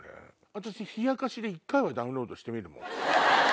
私冷やかしで１回はダウンロードしてみるもん。